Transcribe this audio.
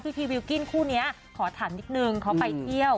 พีวิวกิ้นคู่นี้ขอถามนิดนึงเขาไปเที่ยว